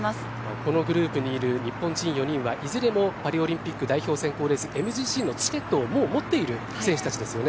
このグループにいる日本人４人はいずれもパリオリンピック代表選考レースＭＧＣのチケットをもう持っている選手たちですよね。